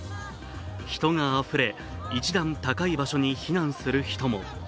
人があふれ、１段高い場所に避難する人も。